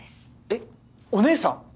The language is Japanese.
えっお姉さん！？